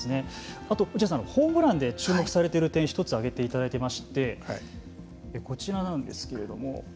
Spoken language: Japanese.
あと、落合さんホームランで注目されている点１つ挙げていただいていましてこちらなんですけれども。